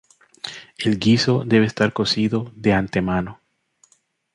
El guiso debe estar cocido de antemano.